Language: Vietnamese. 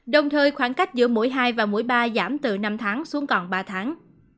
đồng thời khoảng cách giữa mũi hai và mũi ba giảm từ năm tháng xuống còn ba tháng